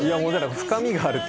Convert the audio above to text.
深みがある。